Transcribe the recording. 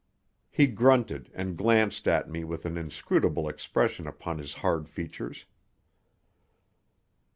He grunted and glanced at me with an inscrutable expression upon his hard features.